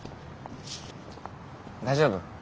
大丈夫？